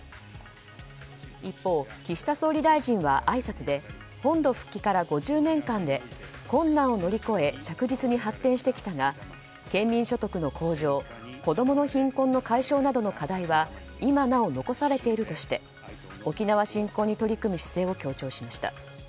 一方、岸田総理大臣はあいさつで本土復帰から５０年間で困難を乗り越え着実に発展してきたが県民所得の向上子供の貧困の解消などの課題は今なお残されているとして沖縄振興に取り組む姿勢を強調しました。